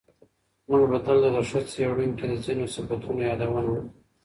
موږ به دلته د ښه څېړونکي د ځینو صفتونو یادونه وکړو.